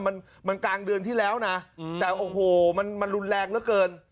มันกลางเดือนที่แล้วนะแต่โอ้โฮมันรุนแรงเมื่อเกิน